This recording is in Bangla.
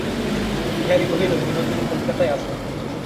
বিহারী কহিল, বিনোদিনী কলিকাতায় আছে।